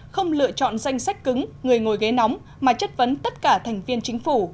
không lựa chọn danh sách cứng người ngồi ghế nóng mà chất vấn tất cả thành viên chính phủ